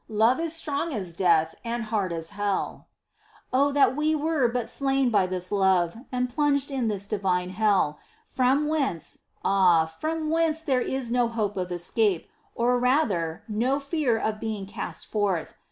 " Love is strong as death and hard as hell." * 8. Oh, that we were but slain by this love, and plunged in this divine hell, from whence, ah, from whence there is no hope of escape, or rather, no fear of being cast forth.